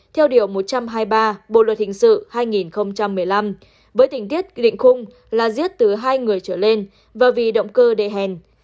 theo điều một trăm hai mươi ba bộ luật hình sự hai nghìn một mươi năm với tình tiết định khung là giết từ hai người trở lên và vì động cơ địa hèn